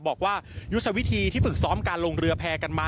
บอกว่ายุทธวิธีที่ฝึกซ้อมการลงเรือแพร่กันมา